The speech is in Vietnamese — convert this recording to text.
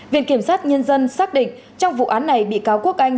viện kiểm sát nhân dân xác định trong vụ án này bị cáo quốc anh